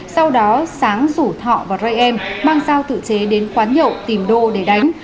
sau đó sáng rủ thọ và rây em mang dao tự chế đến quán nhậu tìm đô để đánh